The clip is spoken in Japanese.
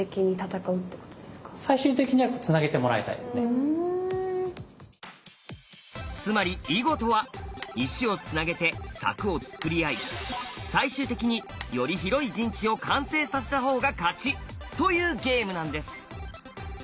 じゃあもうつまり囲碁とは石をつなげて柵をつくり合い最終的により広い陣地を完成させたほうが勝ち！というゲームなんです！